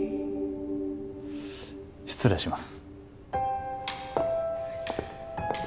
失礼します